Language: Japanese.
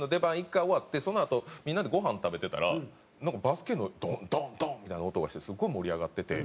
１回終わってそのあとみんなでごはん食べてたらなんかバスケのドンドンドンみたいな音がしてすごい盛り上がってて。